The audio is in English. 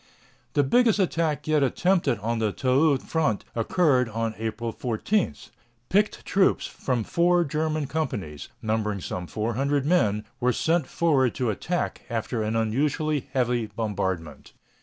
The biggest attack yet attempted on the Toul front occurred on April 14. Picked troops from four German companies, numbering some 400 men, were sent forward to attack after an unusually heavy bombardment.